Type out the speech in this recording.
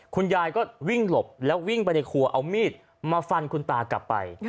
คุณยายก็วิ่งหลบแล้ววิ่งไปในครัวเอามีดมาฟันคุณตากลับไป